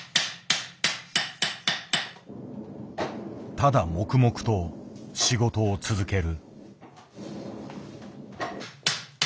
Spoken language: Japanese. ただ黙々と仕事を続ける。